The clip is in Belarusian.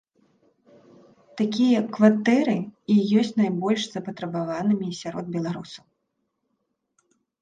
Такія кватэры і ёсць найбольш запатрабаванымі сярод беларусаў.